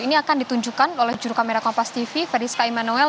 ini akan ditunjukkan oleh jurnal kamera kompas tv fadiska emanuel